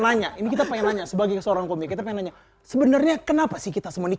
nanya ini kita pengen nanya sebagai seorang komunikator sebenarnya kenapa sih kita semuanya